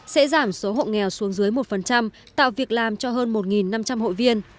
sẽ giảm số hộ nghèo xuống dưới một tạo việc làm cho hơn một năm trăm linh hội viên